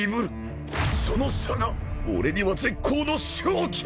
その差が俺には絶好の勝機！